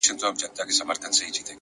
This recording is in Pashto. موخه لرونکی ذهن د ګډوډۍ نه وځي!